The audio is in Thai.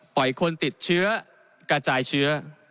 คนติดเชื้อกระจายเชื้อ